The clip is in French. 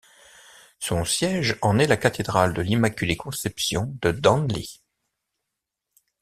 Son siège est en la cathédrale de l'Immaculée-Conception de Danlí.